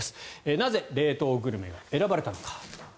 なぜ冷凍グルメが選ばれたのか。